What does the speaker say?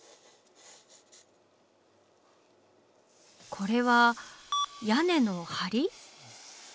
これは屋根の梁？